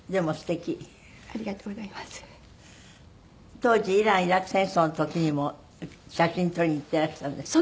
当時イラン・イラク戦争の時にも写真撮りに行ってらしたんですってね。